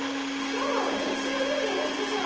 今日は練習風景だけじゃ。